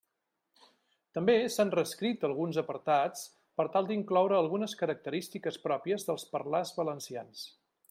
També s'han reescrit alguns apartats per tal d'incloure algunes característiques pròpies dels parlars valencians.